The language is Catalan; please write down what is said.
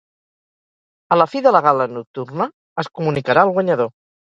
A la fi de la gala nocturna, es comunicarà el guanyador.